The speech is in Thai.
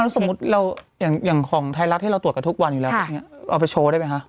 สมมุติเราอย่างของไทยรัฐที่เราตรวจกันทุกวันอยู่แล้วพวกนี้เอาไปโชว์ได้ไหมคะ